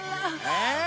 えっ？